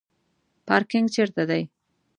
پارکینګ چیرته دی؟